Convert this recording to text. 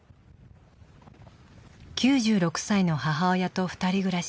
９６歳の母親と２人暮らし。